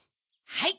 はい！